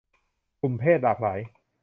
กลุ่มเพศหลากหลาย